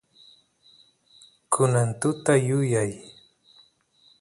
kunan tuta yuyay